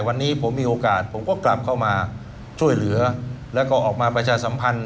วันนี้ผมมีโอกาสผมก็กลับเข้ามาช่วยเหลือแล้วก็ออกมาประชาสัมพันธ์